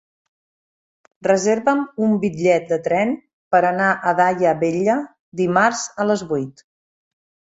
Reserva'm un bitllet de tren per anar a Daia Vella dimarts a les vuit.